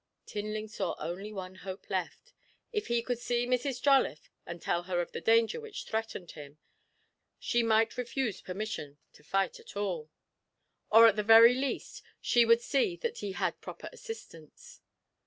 Tinling saw only one hope left. If he could see Mrs. Jolliffe and tell her of the danger which threatened him, she might refuse permission to fight at all, or, at the very least, she would see that he had proper assistance.